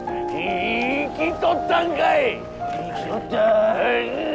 生きとった。